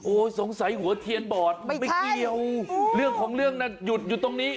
สงสัยหัวเทียนบอดไม่เกี่ยวเรื่องของเรื่องน่ะหยุดอยู่ตรงนี้